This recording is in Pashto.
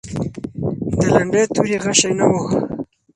د لنډۍ توري غشی نه و.